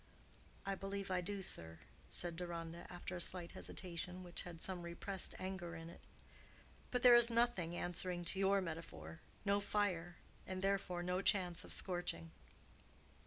"I believe I do, sir," said Deronda, after a slight hesitation, which had some repressed anger in it. "But there is nothing answering to your metaphor—no fire, and therefore no chance of scorching."